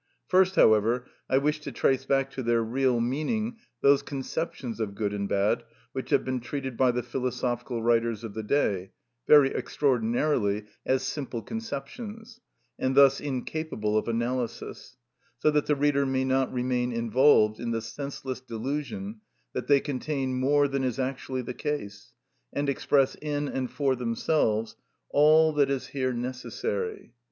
First, however, I wish to trace back to their real meaning those conceptions of good and bad which have been treated by the philosophical writers of the day, very extraordinarily, as simple conceptions, and thus incapable of analysis; so that the reader may not remain involved in the senseless delusion that they contain more than is actually the case, and express in and for themselves all that is here necessary.